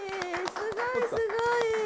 すごいすごい。